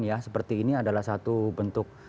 ya seperti ini adalah satu bentuk